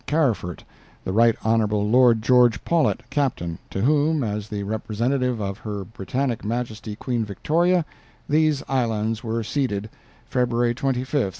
Carysfort, the Right Honorable Lord George Paulet, Captain, to whom, as the representative of Her Britannic Majesty Queen Victoria, these islands were ceded, February 25, 1843."